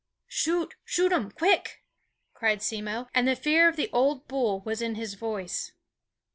"Shoot! shoot um quick!" cried Simmo; and the fear of the old bull was in his voice.